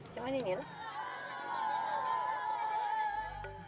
cuma ini lah